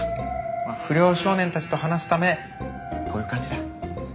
まあ不良少年たちと話すためこういう感じだ。